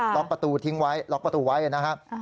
ล็อกประตูทิ้งไว้ล็อกประตูไว้นะครับ